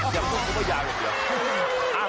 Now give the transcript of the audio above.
อย่าบอกว่ายาวอย่างเดียว